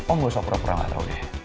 om gak usah perang perang aja